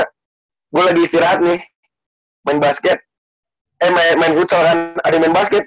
kalau gue lagi istirahat nih main basket eh main hutsal kan ada main basket